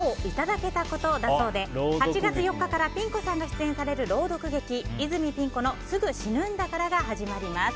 朗読劇のオファーをいただけたことだそうで８月４日からピン子さんが出演される朗読劇泉ピン子の「すぐ死ぬんだから」が始まります。